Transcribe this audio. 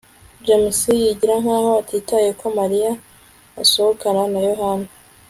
james yigira nkaho atitaye ko mariya asohokana na yohana